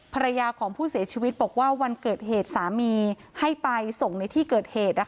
ภรรยาของผู้เสียชีวิตบอกว่าวันเกิดเหตุสามีให้ไปส่งในที่เกิดเหตุ